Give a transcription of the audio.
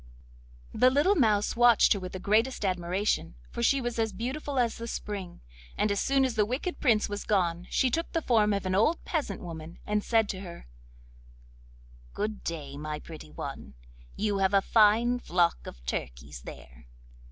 The little mouse watched her with the greatest admiration, for she was as beautiful as the spring; and as soon as the wicked Prince was gone, she took the form of an old peasant woman and said to her: 'Good day, my pretty one! you have a fine flock of turkeys there.